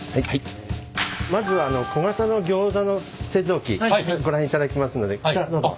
まずは小型のギョーザの製造機ご覧いただきますのでこちらへどうぞ。